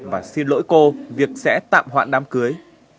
và xin lỗi cô việc sẽ tạm hoãn đám cưới